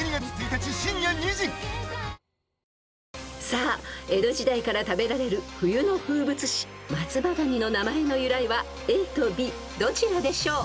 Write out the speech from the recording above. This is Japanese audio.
［さあ江戸時代から食べられる冬の風物詩松葉がにの名前の由来はＡとＢどちらでしょう？］